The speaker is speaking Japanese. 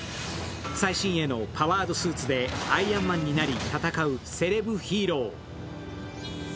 最新鋭のパワードスーツでアイアンマンになり戦うセレブヒーロー。